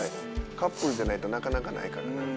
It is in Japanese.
カップルじゃないとなかなかないから。